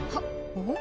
おっ！